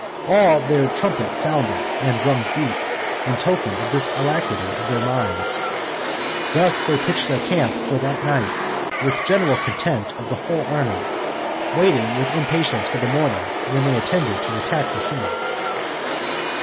All their trumpets sounded, and drums beat, in token of this alacrity of their minds. Thus they pitched their camp for that night, with general content of the whole army, waiting with impatience for the morning, when they intended to attack the city.